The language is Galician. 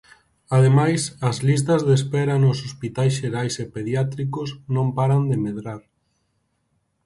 Ademais, as listas de espera nos hospitais xerais e pediátricos non paran de medrar.